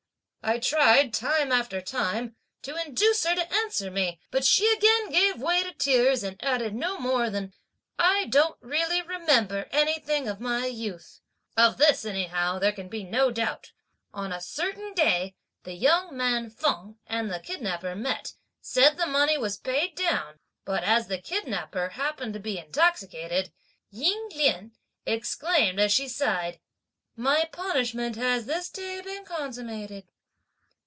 I tried time after time to induce her to answer me, but she again gave way to tears and added no more than: 'I don't really remember anything of my youth.' Of this, anyhow, there can be no doubt; on a certain day the young man Feng and the kidnapper met, said the money was paid down; but as the kidnapper happened to be intoxicated, Ying Lien exclaimed, as she sighed: 'My punishment has this day been consummated!'